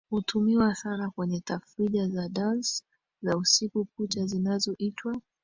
hutumiwa sana kwenye tafrija za dansi za usiku kucha zinazoitwa